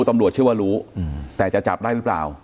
ตำรวจเชื่อว่ารู้แต่จะจับได้หรือเปล่า